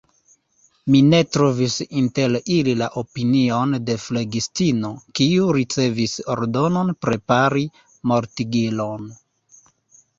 Mi ne trovis inter ili la opinion de flegistino, kiu ricevis ordonon prepari mortigilon.